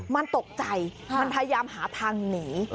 มันตกใจมันพยายามหาทางหนี